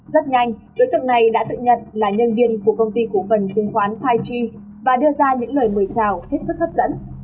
rất nhanh đối tượng này đã tự nhận là nhân viên của công ty cổ phần chứng khoán pity và đưa ra những lời mời chào hết sức hấp dẫn